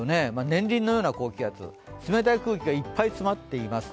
年輪のような高気圧、冷たい空気がいっぱい詰まっています。